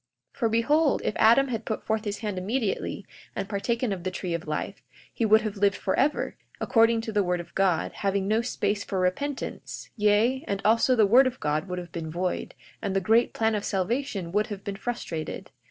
42:5 For behold, if Adam had put forth his hand immediately, and partaken of the tree of life, he would have lived forever, according to the word of God, having no space for repentance; yea, and also the word of God would have been void, and the great plan of salvation would have been frustrated.